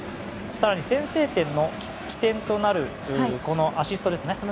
更に先制点の起点となるアシストです。